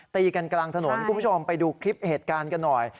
ตีกันกลางถนนคุณผู้ชมไปดูคลิปเหตุการณ์กันหน่อย